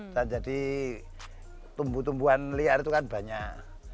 dan jadi tumbuh tumbuhan liar itu kan banyak